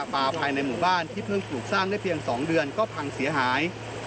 ภายในหมู่บ้านที่เพิ่งปลูกสร้างได้เพียง๒เดือนก็พังเสียหาย